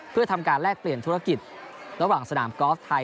เพื่อทำการแลกเปลี่ยนธุรกิจระหว่างสนามกอล์ฟไทย